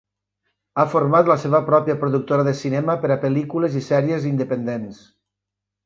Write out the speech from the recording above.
Ha format la seva pròpia productora de cinema per a pel·lícules i sèries independents.